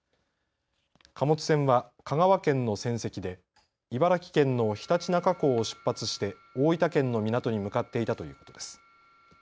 貨物船は香川県の船籍で茨城県の常陸那珂港を出発して大分県の港に向かっていたということです。